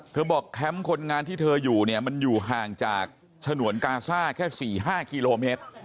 บอกแคมป์คนงานที่เธออยู่เนี่ยมันอยู่ห่างจากฉนวนกาซ่าแค่๔๕กิโลเมตร